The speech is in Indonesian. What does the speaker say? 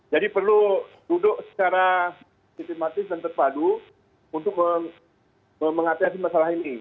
jadi perlu duduk secara sistematis dan terpadu untuk mengatasi masalah ini